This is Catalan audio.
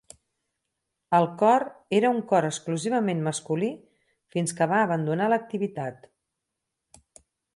El cor era un cor exclusivament masculí fins que va abandonar l'activitat.